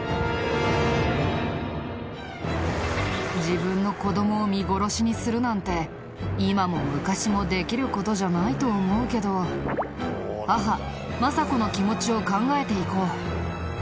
自分の子どもを見殺しにするなんて今も昔もできる事じゃないと思うけど母政子の気持ちを考えていこう。